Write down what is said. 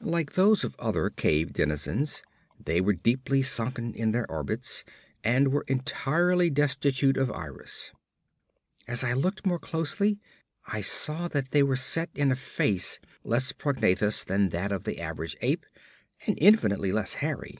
Like those of other cave denizens, they were deeply sunken in their orbits, and were entirely destitute of iris. As I looked more closely, I saw that they were set in a face less prognathous than that of the average ape, and infinitely less hairy.